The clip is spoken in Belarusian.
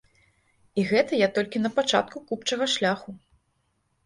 І гэта я толькі на пачатку купчага шляху.